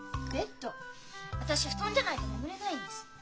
私布団じゃないと眠れないんです。